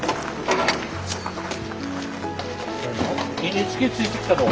ＮＨＫついてきたの？